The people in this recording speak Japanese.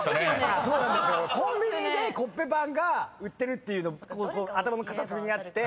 コンビニでコッペパンが売ってるっていうの頭の片隅にあって。